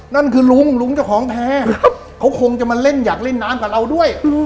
นั่นคือลุงลุงเจ้าของแพร่เขาคงจะมาเล่นอยากเล่นน้ำกับเราด้วย